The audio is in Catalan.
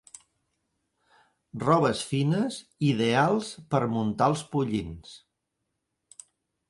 Robes fines ideals per muntar els pollins.